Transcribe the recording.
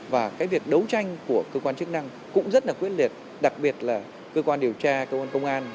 và cái việc đấu tranh của cơ quan chức năng cũng rất là quyết liệt đặc biệt là cơ quan điều tra cơ quan công an